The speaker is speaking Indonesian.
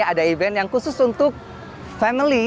ada event yang khusus untuk family